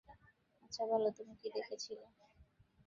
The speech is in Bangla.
আচ্ছা, বলো তুমি কী দেখেছিলে।